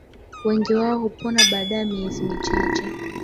wengi wao hupona baada ya miezi michache